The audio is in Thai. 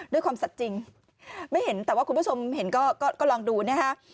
ด้วยความสัดจริงไม่เห็นแต่ว่าคุณผู้ชมเห็นก็ลองดูนะฮะ